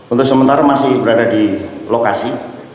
untuk sementara masih berada di lokasi